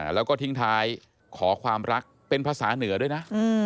แล้วก็ทิ้งท้ายขอความรักเป็นภาษาเหนือด้วยนะ